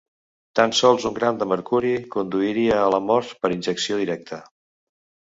Tan sols un gram de mercuri conduiria a la mort per injecció directa.